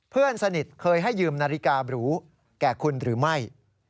เพื่อนสนิทเคยให้ยืมนาฬิกาบรูแก่คุณหรือไม่